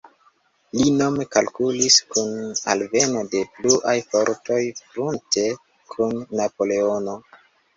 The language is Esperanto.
Li nome kalkulis kun alveno de pluaj fortoj frunte kun Napoleono.